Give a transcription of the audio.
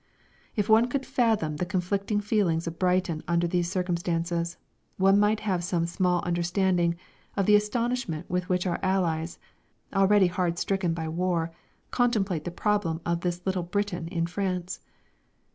If one could fathom the conflicting feelings of Brighton under these conditions, one might have some small understanding of the astonishment with which our Allies, already hard stricken by war, contemplate the problem of this little Britain in France.